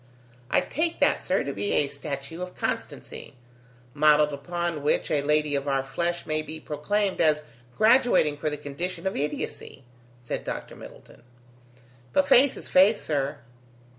"I take that, sir, to be a statue of constancy, modelled upon which a lady of our flesh may be proclaimed as graduating for the condition of idiocy," said Dr. Middleton. "But faith is faith, sir."